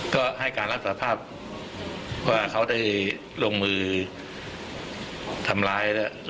ก็ให้การรับสารภาพว่าเขาได้ลงมือทำร้ายแล้ว